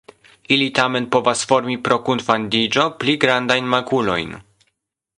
Ili tamen povas formi pro kunfandiĝo pli grandajn makulojn.